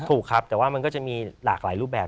ถูกครับแต่ว่ามันก็จะมีหลากหลายรูปแบบ